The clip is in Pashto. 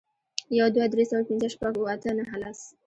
یو، دوه، درې، څلور، پنځه، شپږ، اوه، اته، نهه، لس.